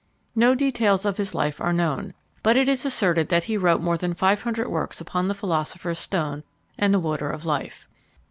No details of his life are known; but it is asserted, that he wrote more than five hundred works upon the philosopher's stone and the water of life.